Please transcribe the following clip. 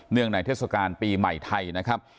งในเทศกาลปีใหม่ไทยนะครับ